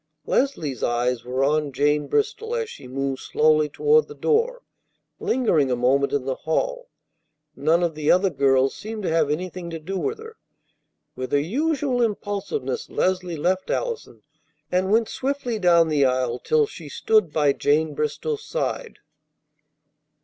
Leslie's eyes were on Jane Bristol as she moved slowly toward the door, lingering a moment in the hall. None of the other girls seemed to have anything to do with her. With her usual impulsiveness Leslie left Allison, and went swiftly down the aisle till she stood by Jane Bristol's side.